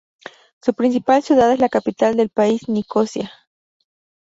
Su principal ciudad es la capital del país, Nicosia.